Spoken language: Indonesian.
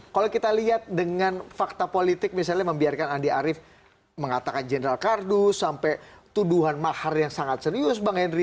kalau kita lihat dengan fakta politik misalnya membiarkan andi arief mengatakan general kardus sampai tuduhan mahar yang sangat serius bang henry